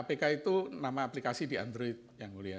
kpk itu nama aplikasi di android yang mulia